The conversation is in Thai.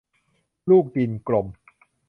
ลูกดินกลม